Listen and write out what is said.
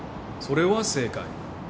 それは正解。